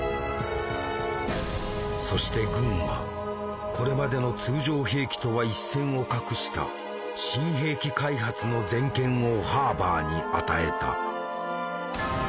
そして軍はこれまでの通常兵器とは一線を画した新兵器開発の全権をハーバーに与えた。